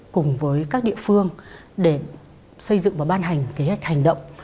cùng với các địa phương để xây dựng và ban hành kế hoạch hành động